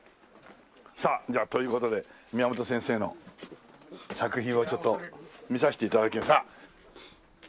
さあじゃあという事で宮本先生の作品をちょっと見させて頂き。